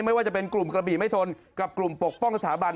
ไม่ว่าจะเป็นกลุ่มกระบี่ไม่ทนกับกลุ่มปกป้องสถาบัน